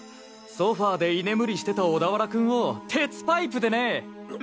ソファで居眠りしてた小田原君を鉄パイプでね！